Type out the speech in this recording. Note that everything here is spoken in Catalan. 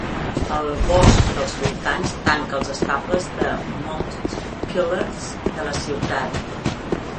El bosc dels voltants tanca els estables de Mounted Peelers de la ciutat.